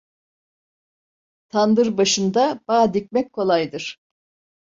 Tandır başında bağ dikmek kolaydır.